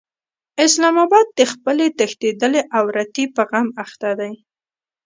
اسلام اباد د خپلې تښتېدلې عورتې په غم اخته دی.